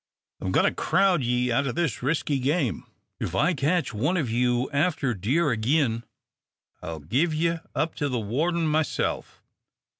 I'm goin' to crowd ye out o' this risky game. If I ketch one o' you after deer agin, I'll give ye up to the warden myself.